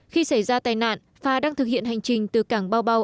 khi xảy ra tai nạn phà đang thực hiện hành trình từ cảng bao bao